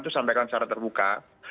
itu sampaikan secara terbuka